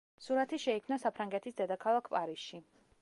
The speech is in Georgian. სურათი შეიქმნა საფრანგეთის დედაქალაქ პარიზში.